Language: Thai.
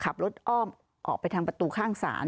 ขับรถอ้อมออกไปทางประตูข้างสาร